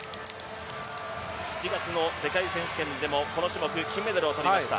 ７月の世界選手権でもこの種目、金メダルをとりました。